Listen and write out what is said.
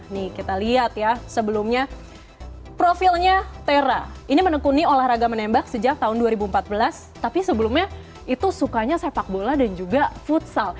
nih kita lihat ya sebelumnya profilnya tera ini menekuni olahraga menembak sejak tahun dua ribu empat belas tapi sebelumnya itu sukanya sepak bola dan juga futsal